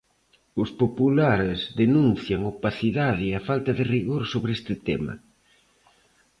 Os populares denuncian opacidade e falta de rigor sobre este tema.